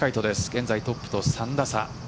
現在トップと３打差。